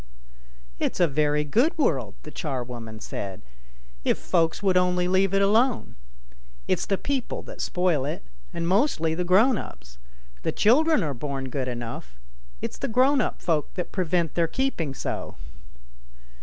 " It's a very good world," the charwoman said, " if folks would only leave it alone. It's the people that spoil it, and mostly the grown ups. The children are born good enough ; it's the grown up folk that prevent their keeping so."